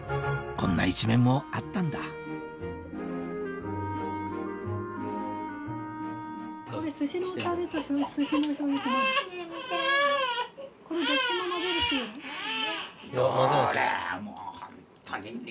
こんな一面もあったんだどれ。